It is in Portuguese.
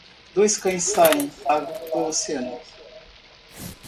Dois cães saem do lago do oceano.